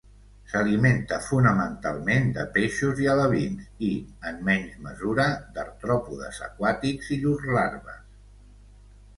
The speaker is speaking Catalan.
S'alimenta fonamentalment de peixos i alevins i, en menys mesura, d'artròpodes aquàtics i llurs larves.